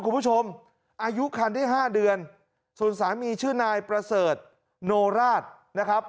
คุณผู้ชมอายุคันได้ห้าเดือนส่วนสามีชื่อนายประเสริฐโนราชนะครับ